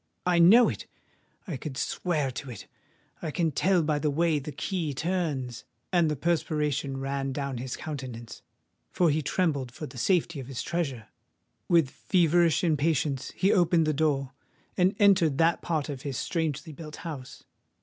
I know it—I could swear to it: I can tell by the way that the key turns!" And the perspiration ran down his countenance:—for he trembled for the safety of his treasure! With feverish impatience he opened the door, and entered that part of his strangely built house.